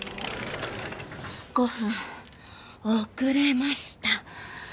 ５分遅れました！